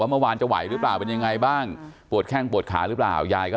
วันจะไหวหรือเป็นยังไงบ้างปวดแข้งปวดขาหรือเปล่ายายก็